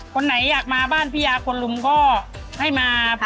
คนไหนอยากมาบ้านพี่ยาคนลุงก็ให้มา